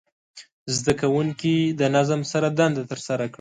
زده کوونکي د نظم سره دنده ترسره کړه.